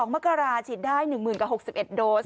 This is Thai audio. ๒มกราคมฉีดได้๑๐๐๖๑โดส